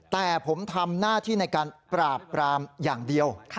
แต่ผมทำหน้าที่ในการปราบปรามอย่างเดียว